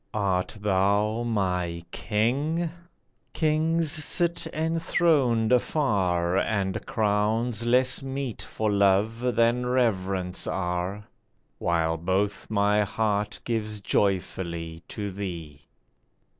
Art thou my King ? Kings sit enthroned afar, And crowns less meet for love than reverence are, While both my heart gives joyfully to thee.